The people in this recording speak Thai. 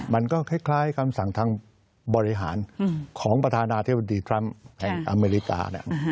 มันก็คล้ายคำสั่งทางบริหารของประธานาธิบดีทรัมป์แห่งอเมริกา